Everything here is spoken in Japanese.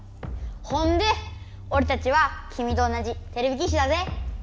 ほんでおれたちはきみと同じてれび騎士だぜ！